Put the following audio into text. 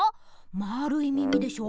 まあるいみみでしょ。